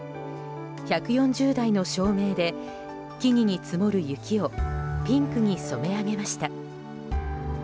１４０台の照明で木々に積もる雪をピンクに染め上げました。